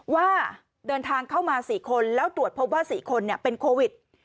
ว่าเดินทางเข้ามา๔คนแล้วตรวจพบว่า๔คนเป็นโควิด